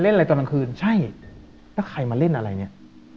อะไรตอนกลางคืนใช่แล้วใครมาเล่นอะไรเนี่ย